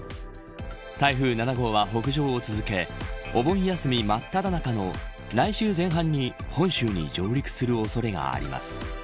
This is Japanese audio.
台風７号は北上を続けお盆休みまっただ中の来週前半に本州に上陸する恐れがあります。